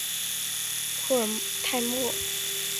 库尔泰莫。